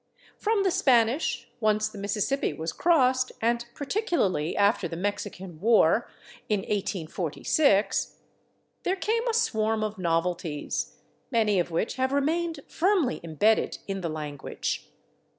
From the Spanish, once the Mississippi was crossed, and particularly after the Mexican war, in 1846, there came a swarm of novelties, many of which have remained firmly imbedded in the language.